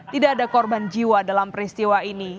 tidak ada korban jiwa dalam peristiwa ini